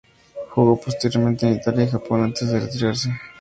Jugó posteriormente en Italia y Japón antes de retirarse.